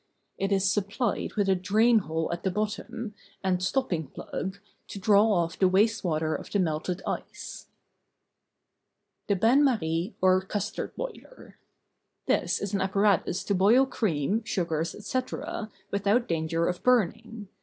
It is supplied with a drain hole at the bottom, and stopping plug, to draw off the waste water of the melted ice. THE BAIN MARIE, OR CUSTARD BOILER. This is an apparatus to boil cream, sugars, etc., without danger of burning.